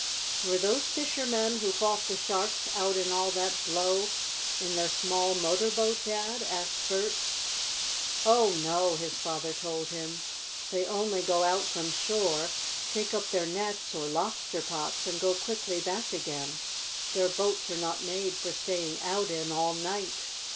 "Were those fishermen who fought the sharks out in all that blow in their small motor boat, Dad?" asked Bert. "Oh, no," his father told him. "They only go out from shore, take up their nets or lobster pots, and go quickly back again. Their boats are not made for staying out in all night.